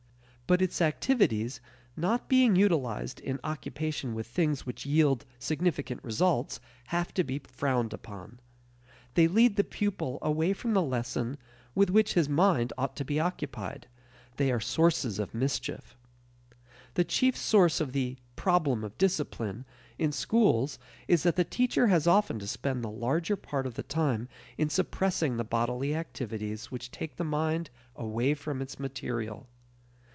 But its activities, not being utilized in occupation with things which yield significant results, have to be frowned upon. They lead the pupil away from the lesson with which his "mind" ought to be occupied; they are sources of mischief. The chief source of the "problem of discipline" in schools is that the teacher has often to spend the larger part of the time in suppressing the bodily activities which take the mind away from its material.